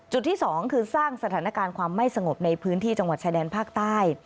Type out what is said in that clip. ที่๒คือสร้างสถานการณ์ความไม่สงบในพื้นที่จังหวัดชายแดนภาคใต้